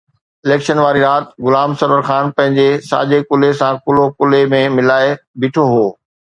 Election واري رات غلام سرور خان پنهنجي ساڄي ڪلهي سان ڪلهو ڪلهي ۾ ملائي بيٺو هو.